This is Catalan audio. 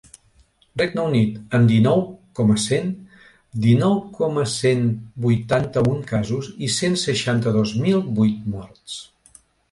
Regne Unit, amb dinou coma cent dinou coma cent vuitanta-un casos i cent seixanta-dos mil vuit morts.